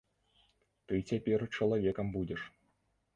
Ты цяпер чалавекам будзеш.